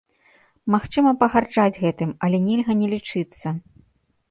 Магчыма пагарджаць гэтым, але нельга не лічыцца.